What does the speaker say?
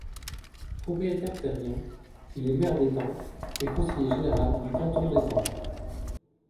Propriétaire terrien, il est maire d’Étampes et conseiller général du canton d’Étampes.